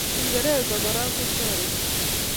Kingerezek Kora kotareti